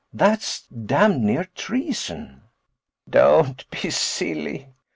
that's damned near treason." "Don't be silly.